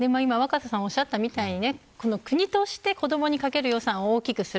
若狭さんが言ったように国として、子どもにかける予算を大きくする。